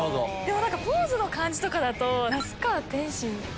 ポーズの感じとかだと。